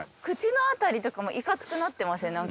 口の辺りとかもいかつくなってません？